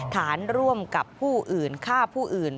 ฐานร่วมกับผู้อื่นฆ่าผู้อื่น